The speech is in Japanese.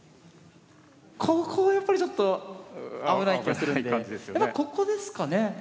ここはやっぱりちょっと危ない気がするんでやっぱここですかね。